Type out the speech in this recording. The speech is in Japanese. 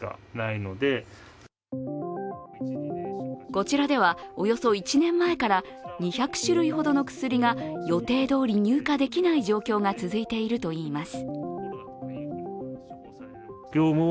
こちらでは、およそ１年前から２００種類ほどの薬が予定どおり入荷できない状況が続いているといいます。